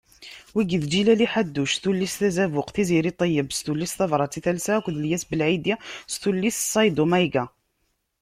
Wigi d: Ǧilali Ḥaddouc tullist Azabuq, Tiziri Ṭeyeb s tullist Tabrat i talsa akked Lyas Belɛidi s tullist Ṣayddu Mayga.